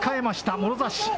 もろ差し。